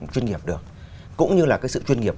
chuyên nghiệp được cũng như là cái sự chuyên nghiệp